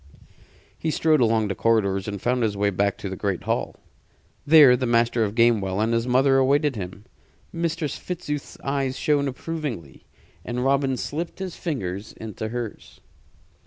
He strode along the corridors and found his way back to the great hall. There the Master of Gamewell and his mother awaited him. Mistress Fitzooth's eyes shone approvingly, and Robin slipped his fingers into hers.